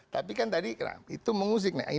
tapi kan tadi itu mengusik